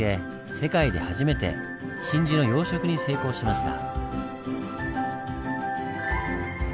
世界で初めて真珠の養殖に成功しました。